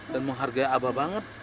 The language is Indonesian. dan menghargai abah banget